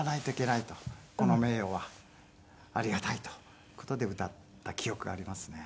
この名誉はありがたいという事で歌った記憶がありますね。